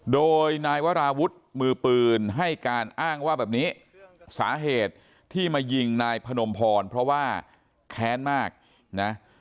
โดยนายวราวุฒิมือปืนให้การอ้างว่าแบบนี้สาเหตุที่มายิงนายพนมพรเพราะว่าแค้นมากนะ